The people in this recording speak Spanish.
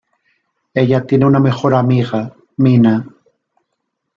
Ella tiene una mejor amiga, Mina.